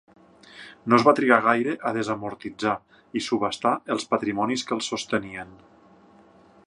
No es va trigar gaire a desamortitzar i subhastar els patrimonis que els sostenien.